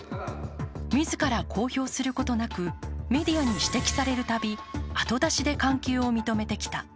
自ら公表することなく、メディアに指摘されるたび、後出しで関係を認めてきた。